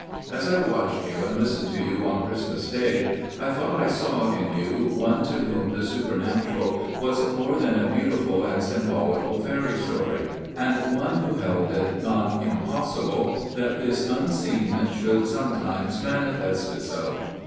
As I watched you and listened to you on Christmas Day, I thought I saw in you one to whom the supernatural was more than a beautiful and symbolical fairy story, and one who held it not impossible that this unseen should sometimes manifest itself.